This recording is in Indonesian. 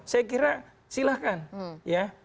saya kira silahkan ya